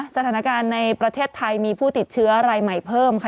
สถานการณ์ในประเทศไทยมีผู้ติดเชื้อรายใหม่เพิ่มค่ะ